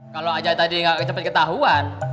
kalau aja tadi gak cepet ketahuan